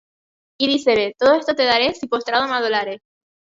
Y dícele: Todo esto te daré, si postrado me adorares.